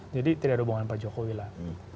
jadi tidak ada hubungan pak jokowi lah